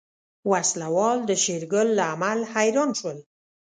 وسله وال د شېرګل له عمل حيران شول.